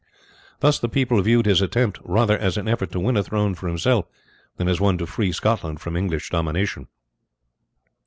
Thus the people viewed his attempt rather as an effort to win a throne for himself than as one to free Scotland from English domination.